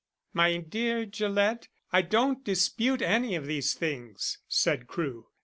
"My dear Gillett, I don't dispute any of these things," said Crewe.